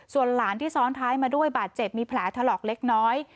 ส่วนหลานที่ซ้อนท้ายมาด้วยบาดเจ็บมีแผลถลอกเล็กน้อย